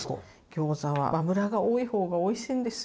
ギョーザは油が多い方がおいしいんですよ。